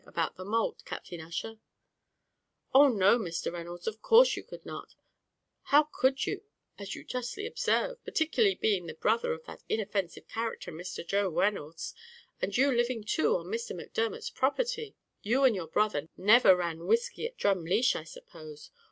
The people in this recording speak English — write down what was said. about the malt, Captain Ussher." "Oh no, Mr. Reynolds, of course you could not; how could you, as you justly observe, particularly being the brother of that inoffensive character Mr. Joe Reynolds, and you living too on Mr. Macdermot's property. You and your brother never ran whiskey at Drumleesh, I suppose.